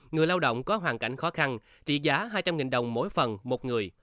người lao động có hoàn cảnh khó khăn trị giá hai trăm linh đồng mỗi phần một người